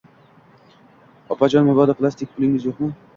Opajon, mabodo plastikda pulingiz yoʻqmi?